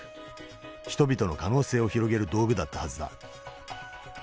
人々の可能性を広げる道具だったはずだ。